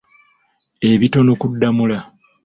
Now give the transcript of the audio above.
Ebitono ku Ddamula.